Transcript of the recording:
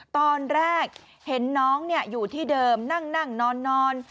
ตอนแรกเห็นน้องอยู่ที่เดิมนั่งนอน